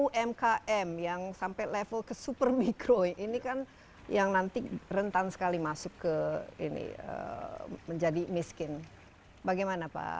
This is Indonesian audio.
umkm yang sampai level ke super mikro ini kan yang nanti rentan sekali masuk ke ini menjadi miskin bagaimana pak